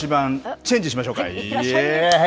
チェンジしましょうか、イエーイ。